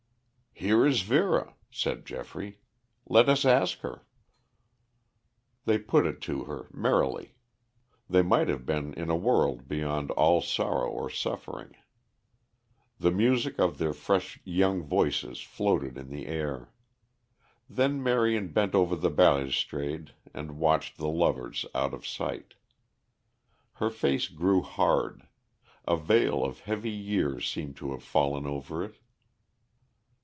"Here is Vera," said Geoffrey. "Let us ask her." They put it to her merrily. They might have been in a world beyond all sorrow or suffering. The music of their fresh young voices floated in the air. Then Marion bent over the balustrade and watched the lovers out of sight. Her face grew hard; a veil of heavy years seemed to have fallen over it.